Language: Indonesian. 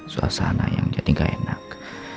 suasana yang jadi gak enak